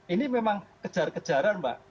ini memang kejar kejaran mbak